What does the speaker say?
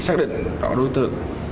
xác định rõ đối tượng